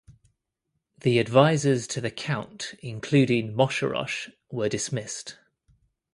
The advisers to the Count including Moscherosch were dismissed.